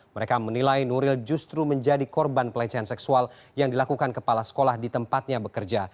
mereka menilai nuril justru menjadi korban pelecehan seksual yang dilakukan kepala sekolah di tempatnya bekerja